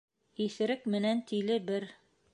Иҫерек менән тиле бер.